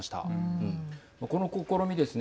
この試みですね。